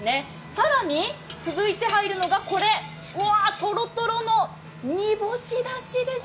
更に続いて入るのがこれ、とろとろの煮干しだしです。